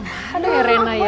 aduh rena ya